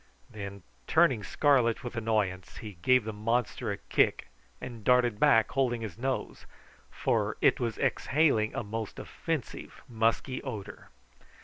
Then, turning scarlet with annoyance, he gave the monster a kick, and darted back holding his nose, for it was exhaling a most offensive musky odour.